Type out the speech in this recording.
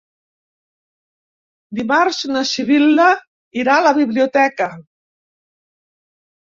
Dimarts na Sibil·la irà a la biblioteca.